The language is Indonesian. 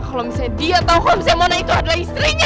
kalau misalnya dia tau kalau mona itu adalah istrinya